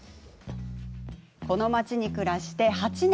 この街に暮らして、８年。